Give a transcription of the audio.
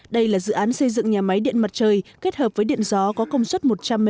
đây là dự án xây dựng nhà máy điện mặt trời kết hợp với điện gió có công suất một trăm linh m hai